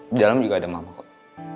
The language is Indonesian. di dalam juga ada mama kok